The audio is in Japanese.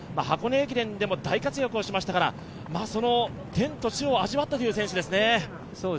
箱根駅伝でも大活躍しましたから、天と地を味わった選手ですね。